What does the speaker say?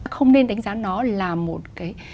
không nên đánh giá nó là một cái